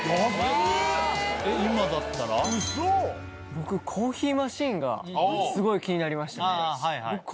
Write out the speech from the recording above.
僕コーヒーマシンがすごい気になりましたね。